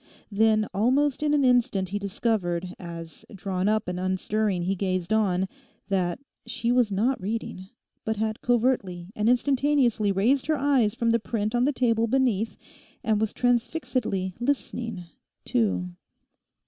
Then almost in an instant he discovered, as, drawn up and unstirring he gazed on, that she was not reading, but had covertly and instantaneously raised her eyes from the print on the table beneath, and was transfixedly listening too.